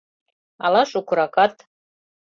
Ала шукыракат...